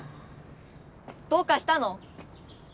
どうかしたの？